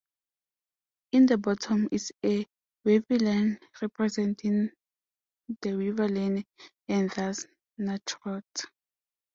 In the bottom is a wavy line representing the river Lenne and thus Nachrodt.